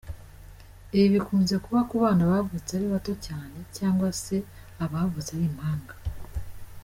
Ibi bikunze kuba ku bana bavutse ari bato cyane cyangwa se abavutse ari impanga.